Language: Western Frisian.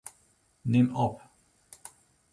Nim op.